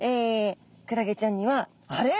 クラゲちゃんにはあれ？